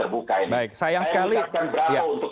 terbuka baik sayang sekali akan berapa untuk